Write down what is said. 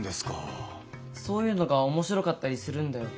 そういうのが面白かったりするんだよ。